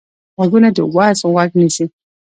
غوږونه د وعظ غوږ نیسي